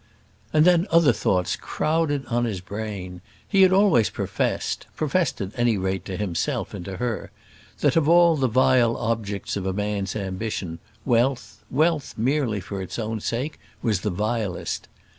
And then other thoughts crowded on his brain. He had always professed professed at any rate to himself and to her that of all the vile objects of a man's ambition, wealth, wealth merely for its own sake, was the vilest.